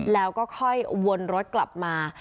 แล้วก็ค่อยวนรถกลับมา